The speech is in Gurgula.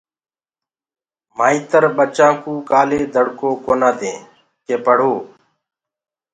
مآئيتر ٻچآن ڪو ڪآلي دڙڪو ڪونآ دين ڪي پڙهو